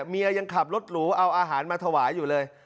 ยังขับรถหรูเอาอาหารมาถวายอยู่เลย